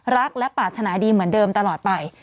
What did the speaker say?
รักและปรารถนาดีเหมือนเดิมตลอดไป